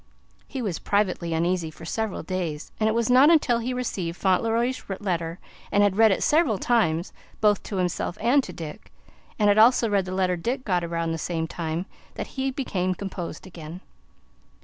He was privately uneasy for several days; and it was not until he received Fauntleroy's letter and had read it several times, both to himself and to Dick, and had also read the letter Dick got about the same time, that he became composed again.